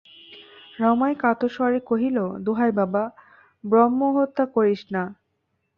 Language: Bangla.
রমাই কাতর স্বরে কহিল, দোহাই বাবা, ব্রহ্মহত্যা করিস না।